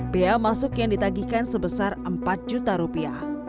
bea masuk yang ditagihkan sebesar empat juta rupiah